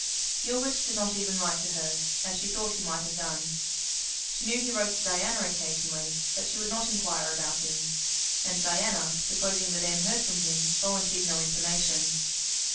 Gilbert did not even write to her, as she thought he might have done. She knew he wrote to Diana occasionally, but she would not inquire about him; and Diana, supposing that Anne heard from him, volunteered no information.